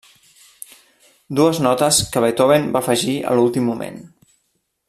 Dues notes que Beethoven va afegir a l'últim moment.